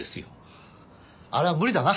あれは無理だな。